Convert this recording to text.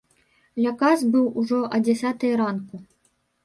Ля кас быў ужо а дзясятай ранку.